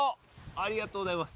ありがとうございます。